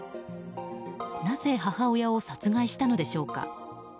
なぜ母親を殺害したのでしょうか。